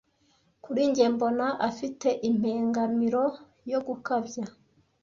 Kuri njye mbona afite impengamiro yo gukabya.